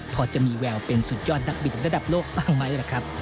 พอจะมีแววเป็นสุดยอดนักบินระดับโลกบ้างไหมล่ะครับ